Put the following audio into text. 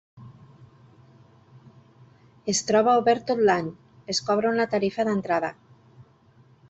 Es troba obert tot l'any, es cobra una tarifa d'entrada.